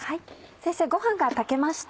先生ご飯が炊けました。